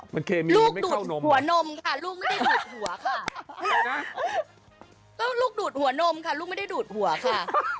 มันเคมีมันไม่เข้านมลูกดูดหัวนมค่ะลูกไม่ได้ดูดหัวค่ะ